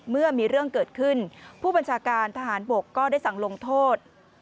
เมื่อมีเรื่องเกิดขึ้นผู้บัญชาการทหารบกก็ได้สั่งลงโทษ